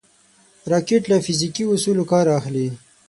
راکټ له فزیکي اصولو کار اخلي